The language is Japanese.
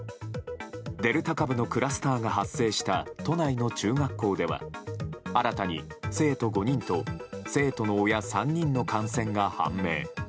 デルタ株のクラスターが発生した都内の中学校では新たに生徒５人と生徒の親３人の感染が判明。